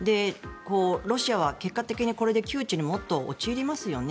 ロシアは結果的にこれでもっと窮地に陥りますよね。